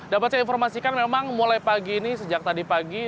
dapat saya informasikan memang mulai pagi ini sejak tadi pagi